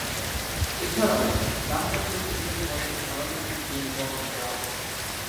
এছাড়াও, ডানহাতে মিডিয়াম বোলিংয়ে পারদর্শী ছিলেন রবিন ব্রাউন।